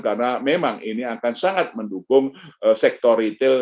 karena memang ini akan sangat mendukung sektor retail